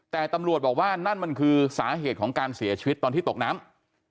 แต่ตำรวจบอกว่านั่นมันคือสาเหตุของการเสียชีวิตตอนที่ตกน้ำ